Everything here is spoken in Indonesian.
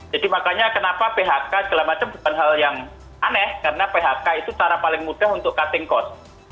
jadi makanya kenapa phk dan sebagainya bukan hal yang aneh karena phk itu cara paling mudah untuk cutting cost